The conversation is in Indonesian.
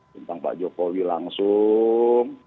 tentang pak jokowi langsung